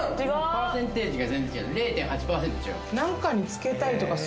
パーセンテージが全然違う０．８％違うでしょ？